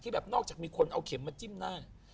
แบบนอกจากมีคนเอาเข็มมาจิ้มหน้า